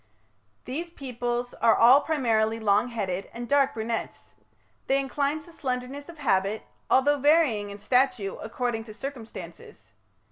These peoples are all primarily long headed and dark brunets. They incline to slenderness of habit, although varying in stature according to circumstances.